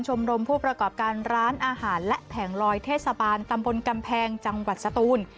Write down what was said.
รมผู้ประกอบการร้านอาหารและแผงลอยเทศบาลตำบลกำแพงจังหวัดสตูน